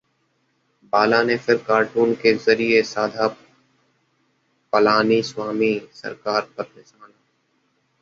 बाला ने फिर कार्टून के जरिए साधा पलानीस्वामी सरकार पर निशाना